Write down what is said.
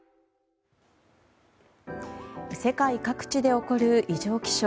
世界各地で起きる異常気象。